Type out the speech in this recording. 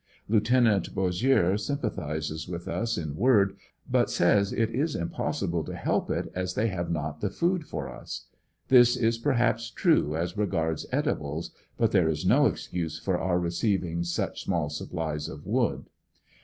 Lieut. Bos sieux sympathizes with us in word but says it is impossible to help it as they have not the food for us. This is perhaps true as regards edibles but there i«^ no excuse for our receiving such small supplies of wood.